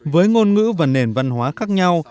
với ngôn ngữ và nền văn hóa khác nhau